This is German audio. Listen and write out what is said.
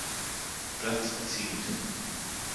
Platz erzielt.